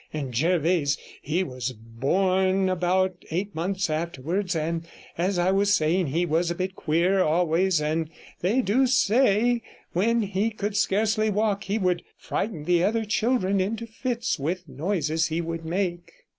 And Jervase, he was born about eight months afterwards, and, as I was saying, he was a bit queer always; and they do say when he could scarcely walk he would frighten the other children into fits with the noises he would make.'